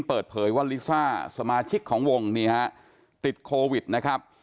เปิดเผยว่าลิซ่าสมาชิกของวงนี่ฮะติดโควิดนะครับ